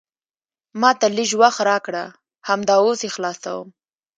ما ته لیژ وخت راکړه، همدا اوس یې خلاصوم.